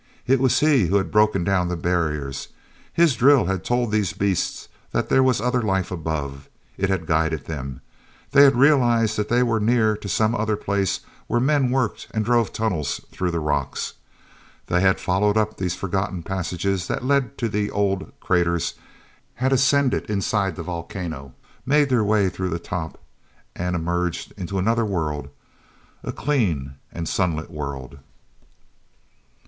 It was he who had broken down the barriers. His drill had told these beasts that there was other life above. It had guided them. They had realized that they were near to some other place where men worked and drove tunnels through the rocks. They had followed up these forgotten passages that led to the old craters, had ascended inside the volcano, made their way through the top and emerged into another world—a clean and sunlit world.